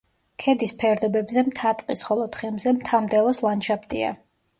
ქედის ფერდობებზე მთა-ტყის, ხოლო თხემზე მთა-მდელოს ლანდშაფტია.